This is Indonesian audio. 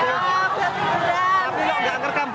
enggak angkarkan bu